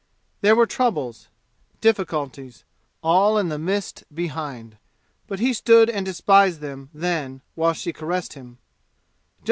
There were troubles difficulties, all in the mist behind, but he stood and despised them then while she caressed him!